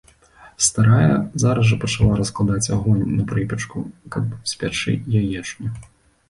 Старая зараз жа пачала раскладаць агонь на прыпечку, каб спячы яечню.